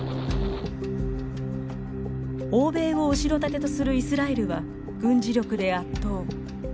欧米を後ろ盾とするイスラエルは軍事力で圧倒。